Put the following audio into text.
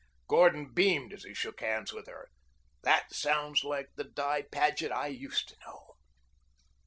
Gordon beamed as he shook hands with her. "That sounds like the Di Paget I used to know."